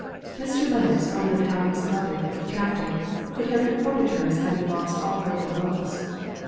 Mr. Lennox wondered how his brother, the Captain, could have reported her as having lost all her good looks.